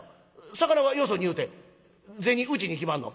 魚はよそに言うて銭うちに来まんの？